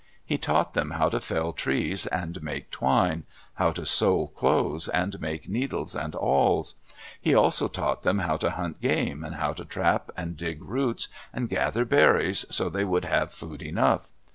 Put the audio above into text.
He taught them how to fell trees and make twine, how to sew clothes and make needles and awls. He also taught them how to hunt game, how to trap, and dig roots, and gather berries so they would have food enough.